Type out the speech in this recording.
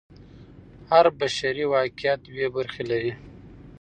هر بشري واقعیت دوې برخې لري.